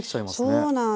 そうなんです。